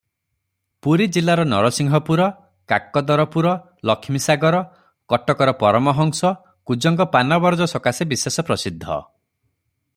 ପୁରୀଜିଲାର ନରସିଂହପୁର, କାକଦରପୁର, ଲକ୍ଷ୍ମୀସାଗର; କଟକର ପରମହଂସ, କୁଜଙ୍ଗ ପାନବରଜ ସକାଶେ ବିଶେଷ ପ୍ରସିଦ୍ଧ ।